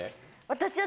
私は。